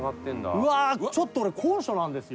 うわあちょっと俺高所なんですよ。